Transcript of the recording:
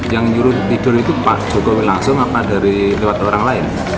yang nyuruh tidur itu pak jokowi langsung apa dari lewat orang lain